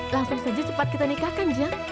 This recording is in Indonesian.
langsung saja cepat kita nikahkan jam